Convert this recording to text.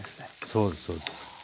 そうですそうです。